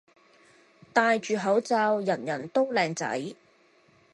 戴住口罩人人都靚仔